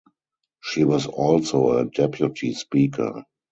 She was also a Deputy Speaker.